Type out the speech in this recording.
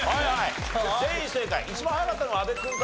一番早かったのは阿部君かな？